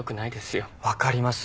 分かります。